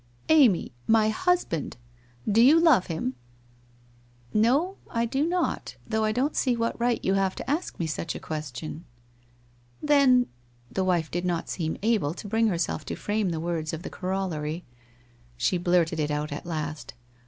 ' Amy — my husband — do you love him ?'' Xo, I do not, though I don't see what right you have to ask me such a question.' ' Then ' The wife did not seem able to bring herself to frame the words of the corollary. ... She blurted it out at last.